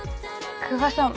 久我さん